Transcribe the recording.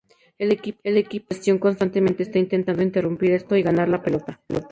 El equipo sin posesión constantemente está intentando interrumpir esto y ganar la pelota.